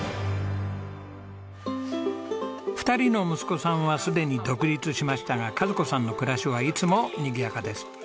２人の息子さんはすでに独立しましたが和子さんの暮らしはいつもにぎやかです。